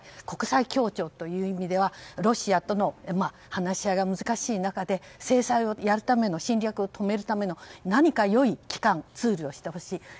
国際協調という意味ではロシアとの話し合いが難しい中で制裁をやるための侵略を止めるための何かよい機関、ツールを知ってほしい。